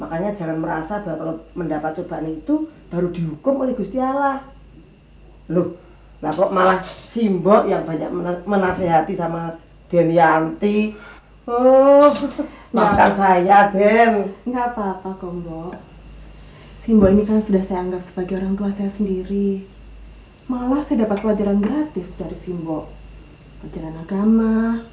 aku tidak bisa menunggu lebih lama